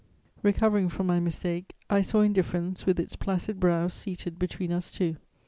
Recovering from my mistake, I saw indifference with its placid brow seated between us two....